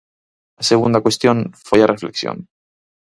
A segunda cuestión foi a reflexión.